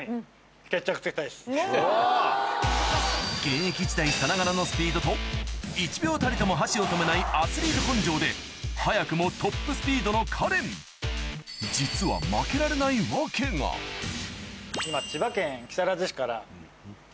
現役時代さながらのスピードと１秒たりとも箸を止めないアスリート根性で早くもトップスピードのカレン実は今千葉県。